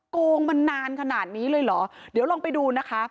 โกงมานานขนาดนี้เลยเหรอเดี๋ยวลองไปดูนะคะ